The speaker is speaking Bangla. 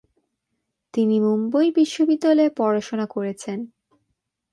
তিনি মুম্বই বিশ্ববিদ্যালয়ে পড়াশোনা করেছেন।